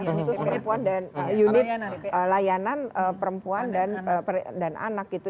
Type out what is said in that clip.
khusus perempuan dan unit layanan perempuan dan anak gitu